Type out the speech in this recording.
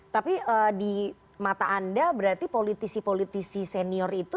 tapi di mata anda berarti politisi politisi senior itu